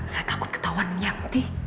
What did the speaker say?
saya takut ketauan yang di